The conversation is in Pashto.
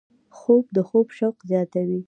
خوب د خوب شوق زیاتوي